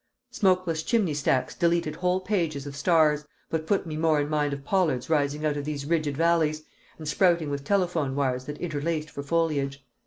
Smokeless chimney stacks deleted whole pages of stars, but put me more in mind of pollards rising out of these rigid valleys, and sprouting with telephone wires that interlaced for foliage.